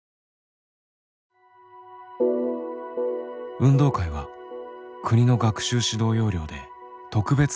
運動会は国の学習指導要領で特別活動にあたります。